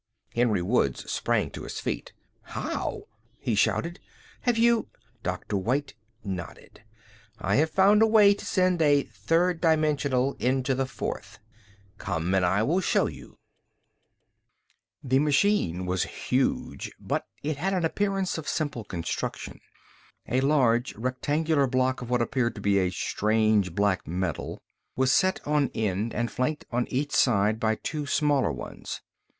Henry Woods sprang to his feet. "How?" he shouted. "Have you...?" Dr. White nodded. "I have found a way to send the third dimensional into the fourth. Come and I will show you." The machine was huge, but it had an appearance of simple construction. A large rectangular block of what appeared to be a strange black metal was set on end and flanked on each side by two smaller ones.